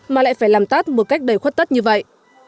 mà lại phải làm tắt một cách đầy khuất tất như vậy